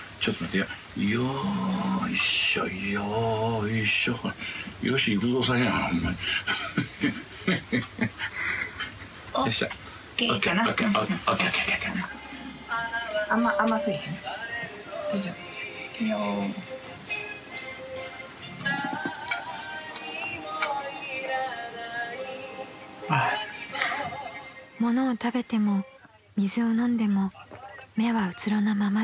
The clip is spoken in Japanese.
［ものを食べても水を飲んでも目はうつろなままです］